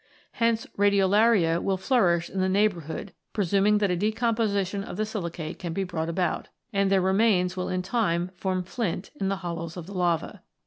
Hence radiolaria will flourish in the neighbourhood (presuming that a decomposition of the silicate can be brought about), and their remains will in time form flint in the hollows of the lavas.